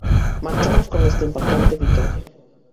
Marchamos con esta importante vitoria.